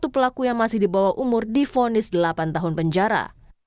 satu pelaku yang masih di bawah umur difonis delapan tahun penjara